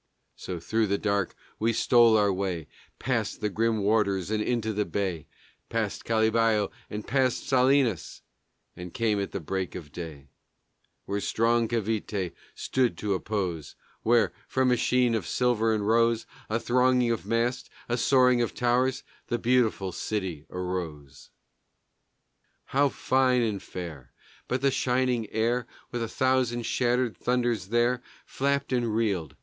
So through the dark we stole our way Past the grim warders and into the bay, Past Kalibuyo, and past Salinas, And came at the break of day Where strong Cavité stood to oppose, Where, from a sheen of silver and rose, A thronging of masts, a soaring of towers, The beautiful city arose. How fine and fair! But the shining air With a thousand shattered thunders there Flapped and reeled.